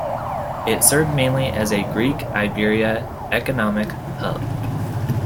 It served mainly as a Greek-Iberia economical hub.